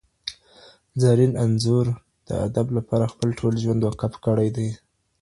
زرین انځور د ادب لپاره خپل ټول ژوند وقف کړی دئ.